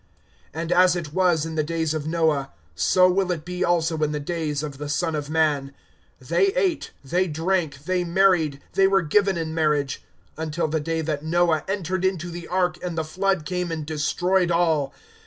(26)And as it was in the days of Noah, so will it be also in the days of the Son of man. (27)They ate, they drank, they married, they were given in marriage, until the day that Noah entered into the ark, and the flood came and destroyed all.